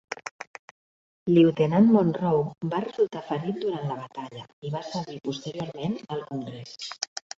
Lieutenant Monroe va resultar ferit durant la batalla i va servir posteriorment al congrés.